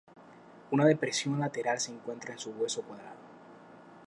Una depresión lateral se encuentra en su hueso cuadrado.